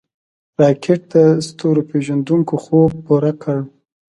راکټ د ستورپیژندونکو خوب پوره کړ